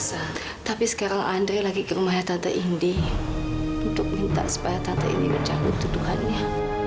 sampai jumpa di video selanjutnya